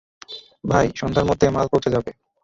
ভাই, সন্ধ্যার মধ্যে মাল পৌঁছে যাবে।